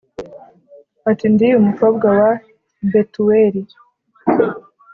ati ndi umukobwa wa Betuweli